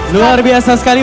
luar biasa sekali